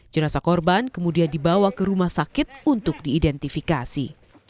jenazah korban kemudian dibawa ke rumah sakit untuk diidentifikasi